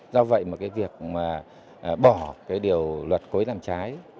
do vậy mà cái việc mà bỏ cái điều luật cố ý làm trái